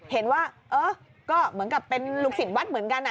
เห็นว่าเออก็เหมือนกับเป็นลูกศิษย์วัดเหมือนกัน